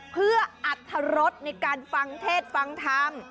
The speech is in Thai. เพื่ออัตรรสในการฟังเทศฟังธรรม